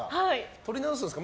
撮り直すんですか？